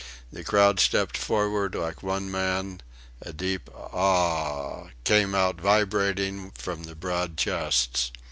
The crowd stepped forward like one man; a deep Ah h h! came out vibrating from the broad chests.